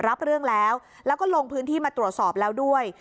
รับเรื่องแล้วแล้วก็ลงพื้นที่มาตรวจสอบแล้วด้วย